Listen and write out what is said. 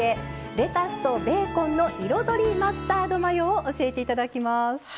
レタスとベーコンの“彩り”マスタードマヨを教えていただきます。